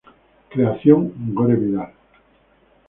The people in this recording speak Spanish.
Creación, Gore Vidal.